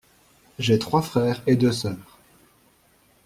J’ai trois frères et deux sœurs.